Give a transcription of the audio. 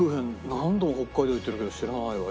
何度も北海道行ってるけど知らないわ。